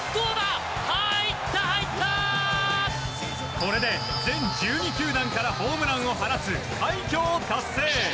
これで全１２球団からホームランを放つ快挙を達成！